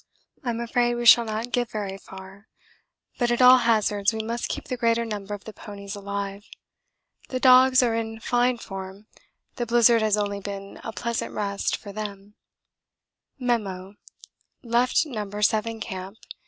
I'm afraid we shall not get very far, but at all hazards we must keep the greater number of the ponies alive. The dogs are in fine form the blizzard has only been a pleasant rest for them. Memo. Left No. 7 Camp.